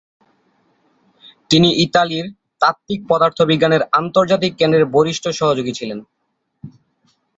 তিনি ইতালির তাত্ত্বিক পদার্থবিজ্ঞানের আন্তর্জাতিক কেন্দ্রের বরিষ্ঠ সহযোগী ছিলেন।